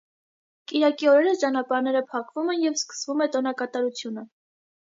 Կիրակի օրերը ճանապարհները փակվում են և սկսվում է տոնակատարությունը։